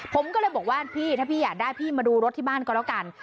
ผมก็เลยบอกว่าพี่ถ้าพี่อยากได้พี่มาดูรถที่บ้านก็แล้วกัน